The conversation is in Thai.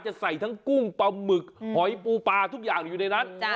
จะใส่ทั้งกุ้งปลาหมึกหอยปูปลาทุกอย่างอยู่ในนั้น